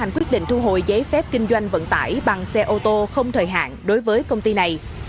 quyết định thu hồi giấy phép kinh doanh vận tải bằng xe ô tô không thời hạn đối với công ty này